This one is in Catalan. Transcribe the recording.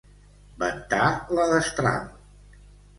Ventar la destral.